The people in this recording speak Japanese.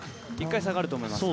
１回下がると思います。